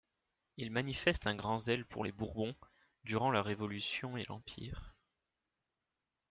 Il manifeste un grand zèle pour les Bourbons durant la Révolution et l'Empire.